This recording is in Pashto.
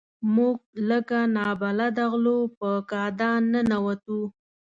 موږ لکه نابلده غلو په کادان ننوتو.